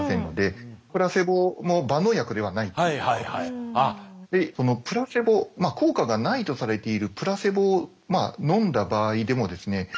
ただそのプラセボ効果がないとされているプラセボを飲んだ場合でもですね